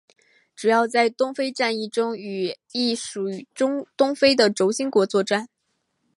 主要在东非战役中与意属东非的轴心国作战。